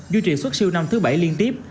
du trị xuất siêu năm thứ bảy liên tiếp